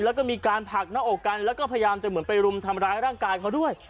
แล้วก็มีการผลักหน้าอกกันแล้วก็พยายามจะเหมือนไปรุมทำร้ายร่างกายเขาด้วย